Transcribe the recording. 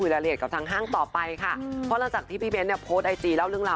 แล้วรถเข็นที่มันมีสินค้ามีน้ำหนัก